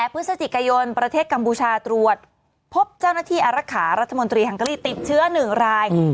พฤศจิกายนประเทศกัมพูชาตรวจพบเจ้าหน้าที่อารักษารัฐมนตรีฮังเกอรี่ติดเชื้อ๑ราย